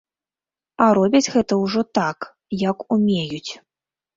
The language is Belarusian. А робяць гэта ўжо так, як умеюць.